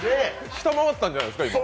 下回ったんじゃないですか、今。